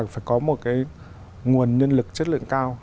phải có một nguồn nhân lực chất lượng cao